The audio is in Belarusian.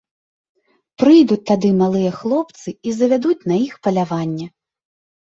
Прыйдуць тады малыя хлопцы і завядуць на іх паляванне.